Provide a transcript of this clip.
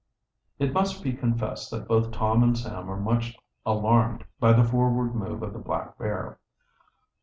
It must be confessed that both Tom and Sam were much alarmed by the forward move of the black bear.